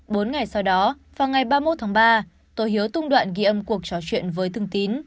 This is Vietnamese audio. bốn ngày sau đó vào ngày ba mươi một tháng ba tổ hiếu tung đoạn ghi âm cuộc trò chuyện với thương tín